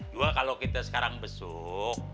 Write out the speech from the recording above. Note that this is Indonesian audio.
dua kalau kita sekarang besuk